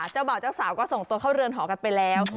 เจ้าบ่าวเจ้าสาวก็ส่งตัวเข้าเรือนหอกันไปแล้ว